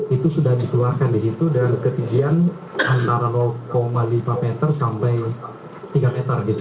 itu sudah dikeluarkan di situ dengan ketinggian antara lima m sampai tiga m